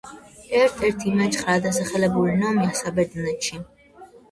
ერთ-ერთი მეჩხრად დასახლებული ნომია საბერძნეთში.